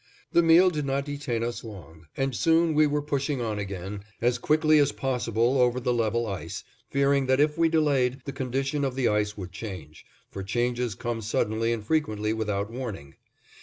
The meal did not detain us long, and soon we were pushing on again as quickly as possible over the level ice, fearing that if we delayed the condition of the ice would change, for changes come suddenly, and frequently without warning.